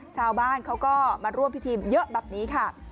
ชาวบ้านเขาก็มาร่วมพิธีเยอะแบบนี้ค่ะ